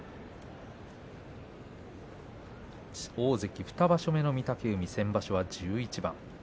大関２場所目の御嶽海先場所は１１番。